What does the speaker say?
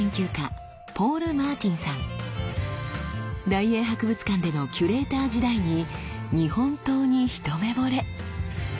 大英博物館でのキュレーター時代に日本刀にひとめぼれ。